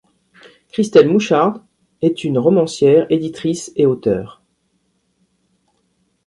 Christel Mouchard est une romancière, éditrice et auteur.